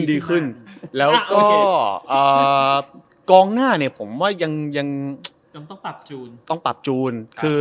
ดีขึ้นแล้วก็กรองหน้าผมว่ายังต้องตลับจูน